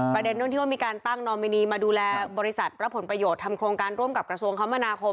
ประเด็นเรื่องที่ว่ามีการตั้งนอมินีมาดูแลบริษัทรับผลประโยชน์ทำโครงการร่วมกับกระทรวงคมนาคม